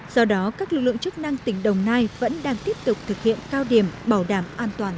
do đó các lực lượng chức năng tỉnh đồng nai vẫn đang tiếp tục thực hiện cao điểm bảo đảm an toàn